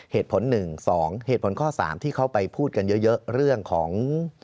เหตุผล๑๒เหตุผลข้อ๓ที่เขาไปพูดกันเยอะเรื่องของ